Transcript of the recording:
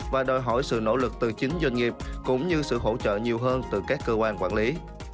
và đòi hỏi sự nỗ lực từ chính doanh nghiệp cũng như sự hỗ trợ nhiều hơn từ các cơ quan quản lý